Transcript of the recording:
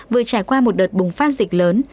vừa trải qua một đợt bùng phát dịch lớn